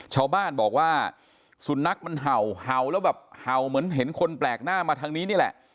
ชาวบ้านบอกว่าสุนัขมันเห่าเห่าแล้วแบบเห่าเหมือนเห็นคนแปลกหน้ามาทางนี้นี่แหละ